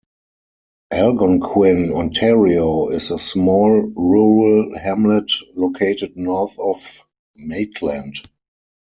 Algonquin, Ontario, is a small rural hamlet located north of Maitland.